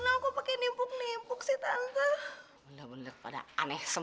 nih bisa rindu kamu memang ya seseorang ya